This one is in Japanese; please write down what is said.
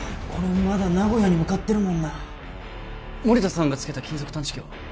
これまだ名古屋に向かってるもんな森田さんが付けた金属探知機は？